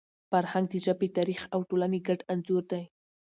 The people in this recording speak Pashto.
فرهنګ د ژبي، تاریخ او ټولني ګډ انځور دی.